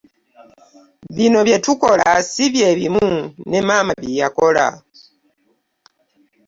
Bino bye tukola sibye bimu ne maama bye yakola.